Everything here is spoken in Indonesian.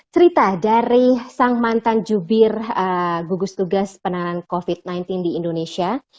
cerita dari sang mantan jubir gugus tugas penanganan covid sembilan belas di indonesia